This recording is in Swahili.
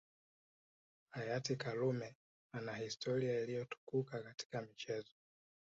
Hayati Karume ana historia iliyotukuka katika michezo